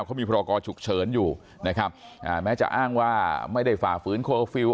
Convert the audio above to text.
เขามีพรกรฉุกเฉินอยู่นะครับอ่าแม้จะอ้างว่าไม่ได้ฝ่าฝืนเคอร์ฟิลล